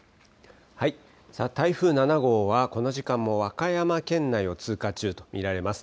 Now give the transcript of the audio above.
台風７号はこの時間も和歌山県内を通過中と見られます。